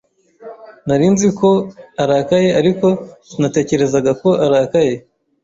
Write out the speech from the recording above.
Nari nzi ko arakaye, ariko sinatekerezaga ko arakaye.